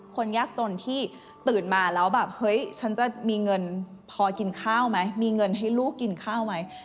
คนยากจนที่ตื่นมาแล้วแบบเฮ้ยฉันจะมีเงินพอกินข้าวไหมมีเงินให้ลูกกินข้าวไหม